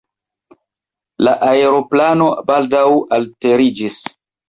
La aeroplano baldaŭ alteriĝis.